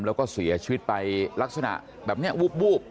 แล้วก็เสียชีวิตไปลักษณะแบบนี้วูบ